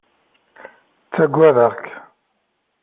Ttagadeɣ-k.